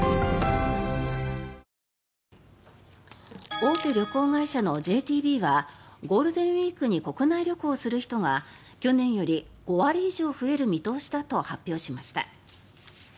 大手旅行会社のＪＴＢはゴールデンウィークに国内旅行する人が去年より５割以上増える見通しだと発表しました。